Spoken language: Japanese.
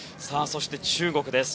そして中国です。